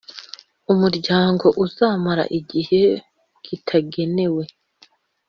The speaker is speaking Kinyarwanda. Umuryango uzamara igihe kitagenewe